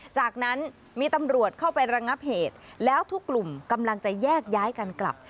จากนั้นมีตำรวจเข้าไประงับเหตุแล้วทุกกลุ่มกำลังจะแยกย้ายกันกลับ